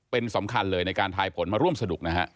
เป็นสำคัญเลยในการทายผลมาร่วมสนุกนะฮะ